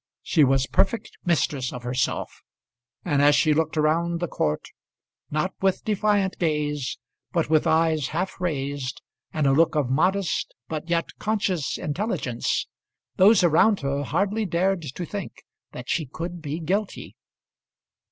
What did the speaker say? She was perfect mistress of herself, and as she looked round the court, not with defiant gaze, but with eyes half raised, and a look of modest but yet conscious intelligence, those around her hardly dared to think that she could be guilty.